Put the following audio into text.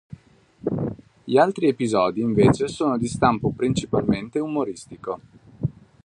Gli altri episodi invece sono di stampo principalmente umoristico.